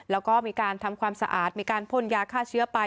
แล้วก็มีการทำความสะอาดมีการพ่นยาฆ่าเชื้อไป